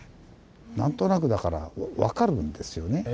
何となくだから分かるんですよね